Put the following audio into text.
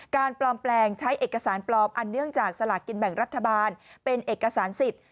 ปลอมแปลงใช้เอกสารปลอมอันเนื่องจากสลากกินแบ่งรัฐบาลเป็นเอกสารสิทธิ์